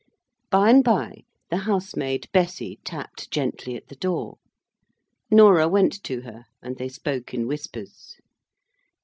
Bye and bye, the housemaid Bessy tapped gently at the door. Norah went to her, and they spoke in whispers.